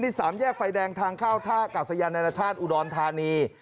ที่๓แยกไฟแดงทางข้าวท่ากับสยานนาชาติอุดรธานี